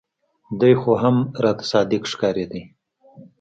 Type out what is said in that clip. دى خو هم راته صادق ښکارېده.